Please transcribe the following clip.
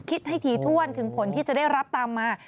คิดให้ถี่ถ้วนถึงผลที่จะได้รับตามมา